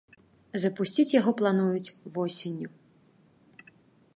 Запусціць яго плануюць восенню.